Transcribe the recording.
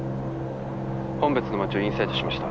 本別の街をインサイトしました。